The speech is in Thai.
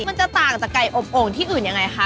มันจะต่างจากไก่อบโอ่งที่อื่นยังไงคะ